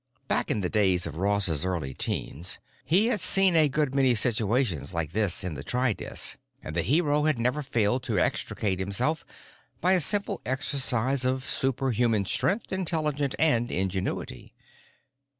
Back in the days of Ross's early teens he had seen a good many situations like this in the tri dis, and the hero had never failed to extricate himself by a simple exercise of superhuman strength, intellect, and ingenuity.